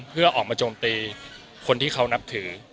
เพื่อออกมาโจมตีคนที่เขานับถือ